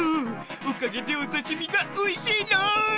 おかげでおさしみがおいしいろん！